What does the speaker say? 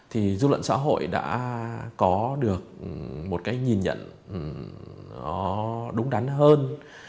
thì du lận xã hội đã có được một cái nhìn nhận đúng đắn hơn